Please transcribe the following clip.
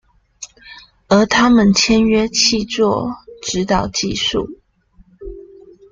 而他們簽約契作，指導技術